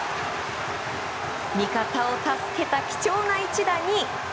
味方を助けた貴重な一打に。